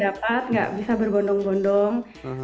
siapa yang tidak bisa bergondong gondong